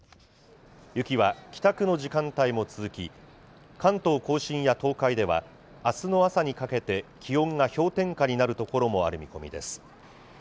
雪は帰宅の時間帯も続き、関東甲信や東海では、あすの朝にかけて気温が氷点下になる所もある見込みです。